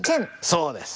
そうです！